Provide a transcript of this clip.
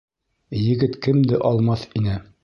Егет кемде алмаҫ ине